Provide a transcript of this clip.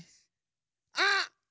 あっ！